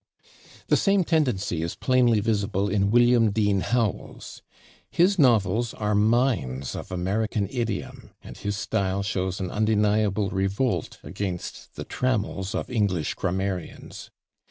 The same tendency is plainly visible in William Dean Howells. His novels are mines of American idiom, and his style shows an undeniable revolt against the trammels of English grammarians.